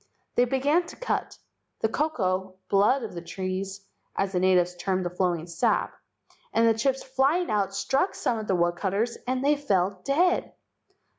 They began to cut. The koko (blood) of the trees, as the natives termed the flowing sap, and the chips flying out struck some of the woodcutters and they fell dead.